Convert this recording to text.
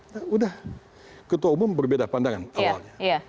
nah udah ketua umum berbeda pandangan awalnya